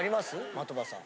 的場さん。